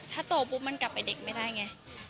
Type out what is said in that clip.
ถ้าโตปุ๊บมันกลับไปเด็กไม่ได้ไง